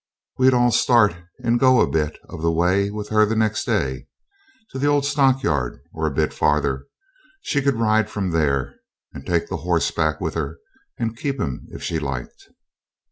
We'd all start and go a bit of the way with her next day to the old stockyard or a bit farther; she could ride from there, and take the horse back with her and keep him if she liked.